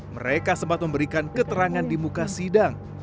mereka sempat memberikan keterangan di muka sidang